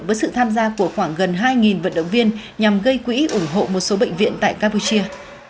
với sự tham gia của khoảng gần hai vận động viên nhằm gây quỹ ủng hộ một số bệnh viện tại campuchia